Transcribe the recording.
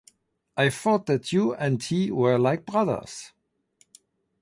I thought that you and he were like brothers.